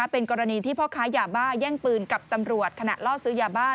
เป็นกรณีที่พ่อค้ายาบ้าแย่งปืนกับตำรวจขณะล่อซื้อยาบ้า